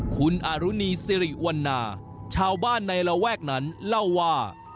คุณอารุณีสิริวันนาชาวบ้านในระแวกนั้นเล่าว่า